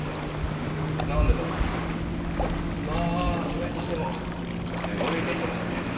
まあそれにしてもすごいレトロなビルですね。